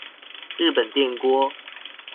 日本電鍋